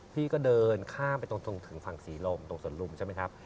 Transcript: พี่ก็เดินข้ามไปตรงถึงฝั่งศรีลมตรงสวนลุมใช่ไหมครับ